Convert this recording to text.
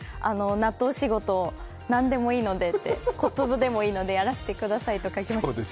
納豆仕事、なんでもいいのでって、小粒でもいいのでやらせてくださいと書きました。